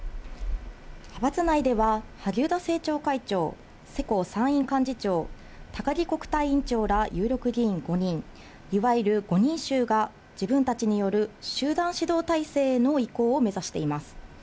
派閥内では、萩生田政調会長、世耕参院幹事長、高木国対委員長ら有力議員５人、いわゆる５人衆が、自分たちによる集団指導体制への移行を目指しています。